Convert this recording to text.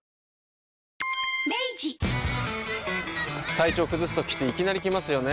体調崩すときっていきなり来ますよね。